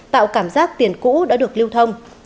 tạo cảm giác tiền cũ đã được lưu thông